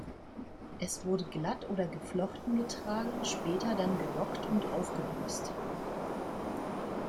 Es wurde glatt oder geflochten getragen, später dann gelockt und aufgelöst.